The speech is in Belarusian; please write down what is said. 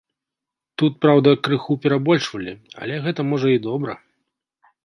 Тут, праўда, крыху перабольшвалі, але гэта можа і добра.